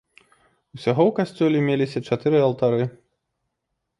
Усяго ў касцёле меліся чатыры алтары.